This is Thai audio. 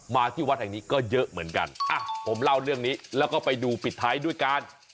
มาที่วัดแห่งนี้ก็เยอะเหมือนกันอ่ะผมเล่าเรื่องนี้แล้วก็ไปดูปิดท้ายด้วยการ